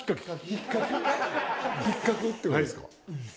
ひっかくってことですか？